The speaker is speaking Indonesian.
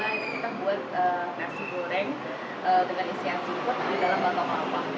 akhirnya kita buat nasi goreng dengan isian seafood di dalam bako kelapa